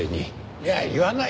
いや言わないよ。